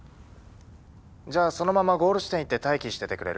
じゃあそのままゴール地点行って待機しててくれる？